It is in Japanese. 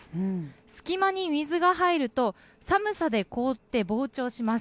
隙間に水が入ると、寒さで凍って膨張します。